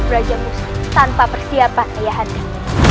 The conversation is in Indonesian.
belajar muslim tanpa persiapan ayah hadir